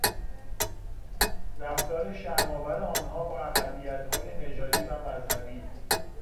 رفتار شرمآور آنها با اقلیتهای نژادی و مذهبی